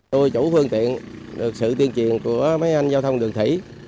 tôi chủ phương tiện được sự tiên triền của mấy anh giao thông đường thủy